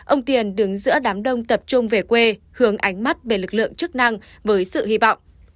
ông tiền đứng giữa đám đông tập trung về quê hướng ánh mắt về lực lượng chức năng với sự hy vọng